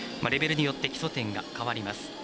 レベルによって基礎点が変わります。